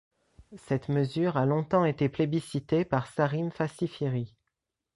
Cette mesure a longtemps été plébiscitée par Sarim Fassi-Fihri.